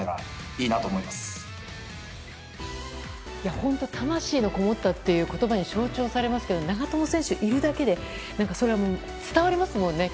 本当、魂のこもったという言葉に象徴されますけど、長友選手いるだけでそれはもう伝わりますもんね。